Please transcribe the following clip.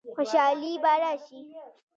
خوشحالي به راشي؟